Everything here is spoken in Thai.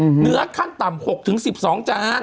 เหนือขั้นต่ำ๖๑๒จาน